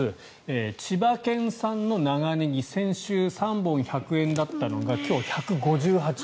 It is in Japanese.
千葉県産の長ネギ先週３本１００円だったのが今日、１５８円。